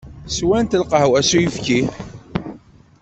Swant lqahwa s uyefki.